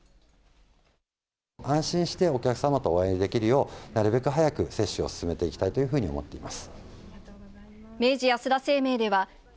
安心してお客様とお会いできるよう、なるべく早く接種を進めていきたいというふうに思っています。